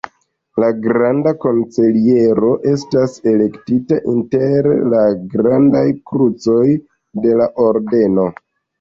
La granda kanceliero estas elektita inter la grandaj krucoj de la ordeno.